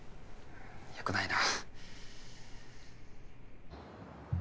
よくないな。